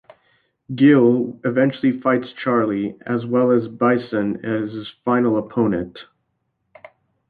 Guile eventually fights Charlie, as well as Bison as his final opponent.